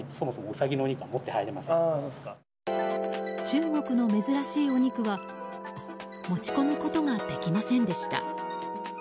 中国の珍しいお肉は持ち込むことができませんでした。